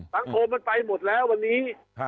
โคมมันไปหมดแล้ววันนี้